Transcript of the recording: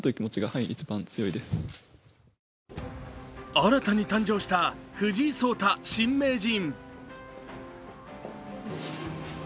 新たに誕生した藤井聡太新名人。